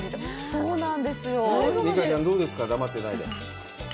そうなんです。